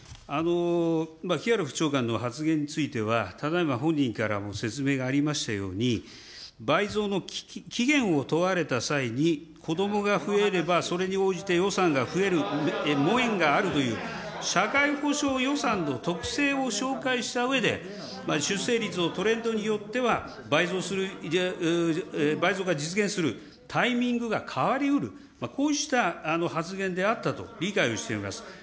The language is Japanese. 木原副長官の発言については、ただいま本人からも説明がありましたように、倍増の期限を問われた際に、子どもが増えればそれに応じて予算が増えるがあるという、社会保障予算の特性を紹介したうえで、出生率のトレンドによっては、倍増が実現するタイミングが変わりうる、こうした発言であったと理解をしています。